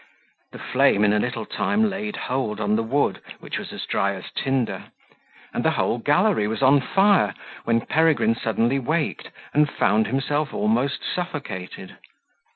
The flame in a little time laid hold on the wood, which was as dry as tinder; and the whole gallery was on fire, when Peregrine suddenly waked, and found himself almost suffocated.